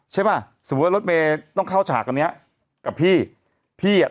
ใช่ป่ะสมมุติว่ารถเมย์ต้องเข้าฉากอันเนี้ยกับพี่พี่อ่ะ